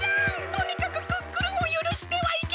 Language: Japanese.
とにかくクックルンをゆるしてはいけないのだ！